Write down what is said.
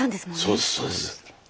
そうですそうです。